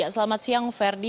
selamat siang ferdi